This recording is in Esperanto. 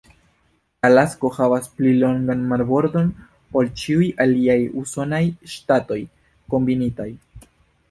Alasko havas pli longan marbordon ol ĉiuj aliaj usonaj ŝtatoj kombinitaj.